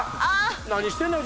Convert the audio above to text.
何してんのよ？